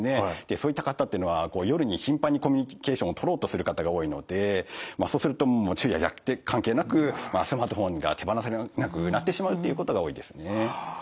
そういった方っていうのは夜に頻繁にコミュニケーションをとろうとする方が多いのでそうするともう昼夜逆転関係なくスマートフォンが手放せなくなってしまうっていうことが多いですね。